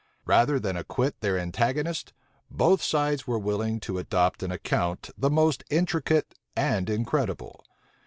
Rather than acquit their antagonists, both sides were willing to adopt an account the most intricate and incredible.